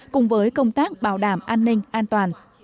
cùng với công tác bảo đảm an ninh an toàn